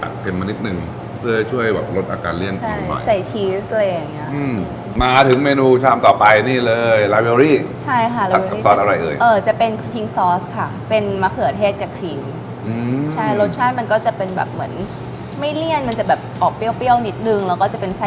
คือจริงน่าจะเป็นอาหารเจอเรียนแหละ